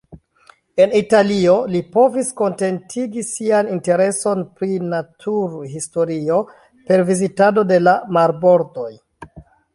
En Italio, li povis kontentigi sian intereson pri naturhistorio per vizitado de la marbordoj.